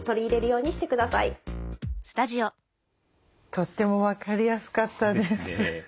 とっても分かりやすかったです。